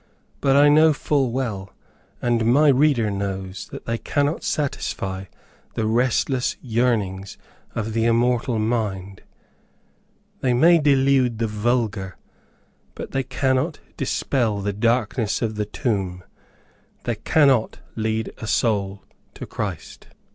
But I know full well, and my reader knows that they cannot satisfy the restless yearnings of the immortal mind. They may delude the vulgar, but they cannot dispel the darkness of the tomb, they cannot lead a soul to Christ.